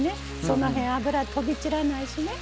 その辺油飛び散らないしね。